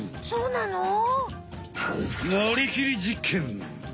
そうなの？